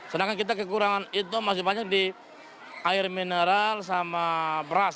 sedangkan kita kekurangan itu masih banyak di air mineral sama beras